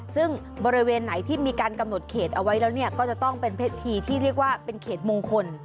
ซึ่งบริเวณไหนที่มีการกำหนดเขตเอาไว้แล้วเนี่ยก็จะต้องเป็นพิธีที่เรียกว่าเป็นเขตมงคล